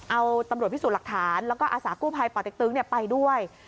เอาตำรวจพิสูจน์หลักฐานแล้วก็อาสากู้ภัยป่อเต็กตึ๊งไปด้วย